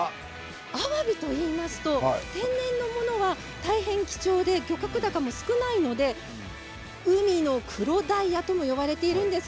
あわびといいますと天然のものは非常に貴重で漁獲高も少ないので海の黒ダイヤとも呼ばれているんです。